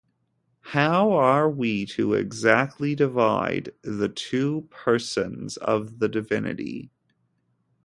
How are we to exactly divide the two persons of the divinity.